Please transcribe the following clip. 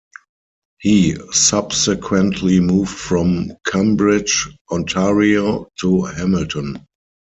He subsequently moved from Cambridge, Ontario to Hamilton.